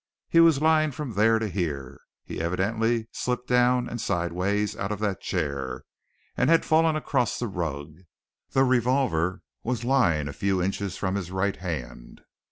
He was lying from there to here he'd evidently slipped down and sideways out of that chair, and had fallen across the rug. The revolver was lying a few inches from his right hand.